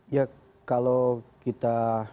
ya kalau kita